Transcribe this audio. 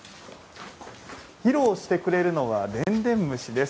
披露してくれるのは「でんでん虫」です。